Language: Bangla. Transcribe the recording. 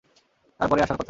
তার পরেই আশার কথা।